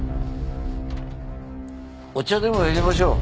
お茶でも淹れましょう。